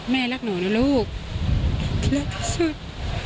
แม่รักหนูนะลูกรักที่สุด